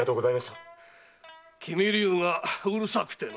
君竜がうるさくての。